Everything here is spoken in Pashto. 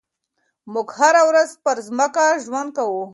موږ هره ورځ پر ځمکه ژوند کوو.